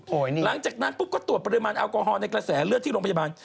หลังจากนั้นปุ๊บก็ตรวจปริมาณแอลกอฮอลในกระแสเลือดที่โรงพยาบาล